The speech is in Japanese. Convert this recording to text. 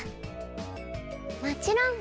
もちろん。